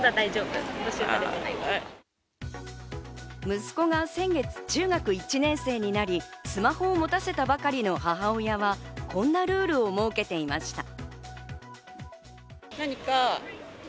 息子が先月、中学１年生になり、スマホを持たせたばかりの母親はこんなルールを設けていました。